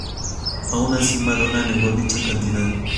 Aun así, Madonna negó dicha cantidad.